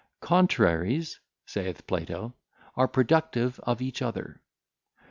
"Contraries," saith Plato, "are productive of each other."